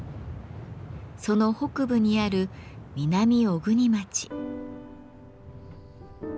その北部にある南小国町。